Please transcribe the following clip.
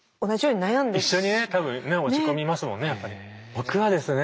僕はですね